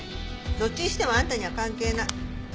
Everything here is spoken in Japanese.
どっちにしてもあんたには関係ない。